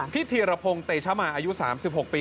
ธีรพงศ์เตชมาอายุ๓๖ปี